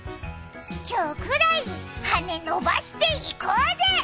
今日くらい、羽伸ばしていこうぜ！